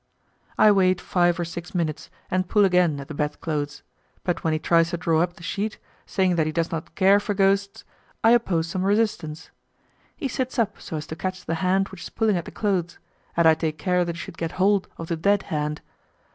I wait five or six minutes, and pull again at the bedclothes; but when he tries to draw up the sheet, saying that he does not care for ghosts, I oppose some resistance. He sits up so as to catch the hand which is pulling at the clothes, and I take care that he should get hold of the dead hand.